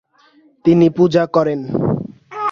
তিনি পূজা করেন।